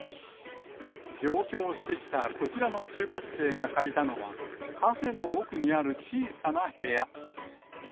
上京してきたこちらの就活生が借りたのは、カフェの奥にある小さな部屋。